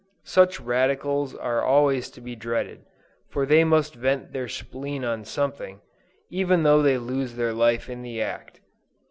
Such radicals are always to be dreaded, for they must vent their spleen on something, even though they lose their life in the act.